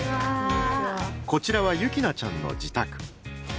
こちらは喜なちゃんの自宅。